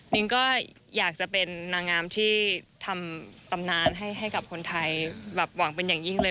นิ้งก็อยากจะเป็นนางงามที่ทำตำนานให้กับคนไทยแบบหวังเป็นอย่างยิ่งเลย